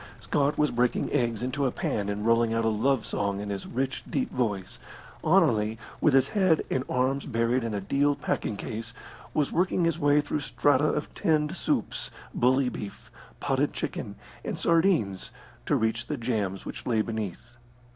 Scott was breaking eggs into a pan and rolling out a love song in his rich, deep voice. Anerley, with his head and arms buried in a deal packing case, was working his way through strata of tinned soups, bully beef, potted chicken, and sardines to reach the jams which lay beneath.